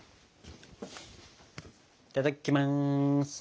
いたただきます。